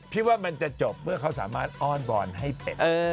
พี่๔๐๑จะจบเพื่อเขาสามารถอ้อนบ่อนให้เฟ็ด